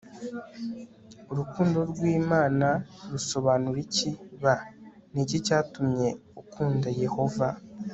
Urukundo rw Imana rusobanura iki b Ni iki cyatumye ukunda Yehova